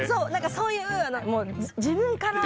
そういう自分から。